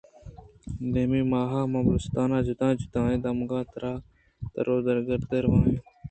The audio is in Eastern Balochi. دیمی ماہ ءَ ما بلوچستان ءِ جُتا جُتائیں دمگاں تر ءُ گردے ءَ رو ایں۔